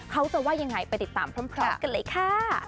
เขาจะว่ายังไงไปติดตามพร้อมกันเลยค่ะ